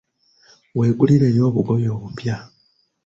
Weegulireyo obugoye obupya.